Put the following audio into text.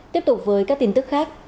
tiếp tục với các tin tức khác